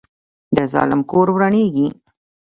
د ظالم کور ورانیږي